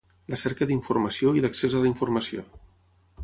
La cerca d'informació i l'accés a la informació.